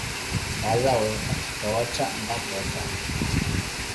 Khwaaza wootta, khoota, mpakha ofha.